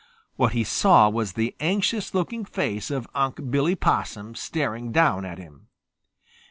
What he saw was the anxious looking face of Unc' Billy Possum staring down at him.